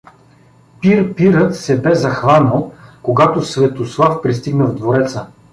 Пир Пирът се бе захванал, когато Светослав пристигна в двореца.